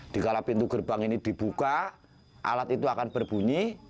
dikala pintu gerbang ini dibuka alat itu akan berbunyi